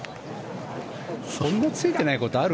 そんなついてないことある？